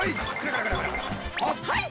はい！